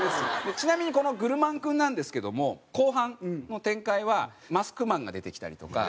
ちなみにこの『グルマンくん』なんですけども後半の展開はマスクマンが出てきたりとか。